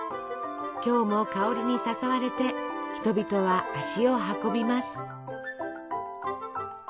今日も香りに誘われて人々は足を運びます。